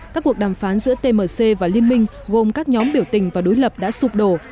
các cuộc đàm phán giữa tmc và liên minh gồm các nhóm biểu tình và đối lập đã sụp đổ